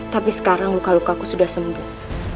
tapi sekarang luka lukaku sudah sembuh